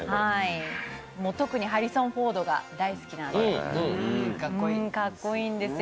特にハリソン・フォードが大好きなんで、かっこいいんですよ。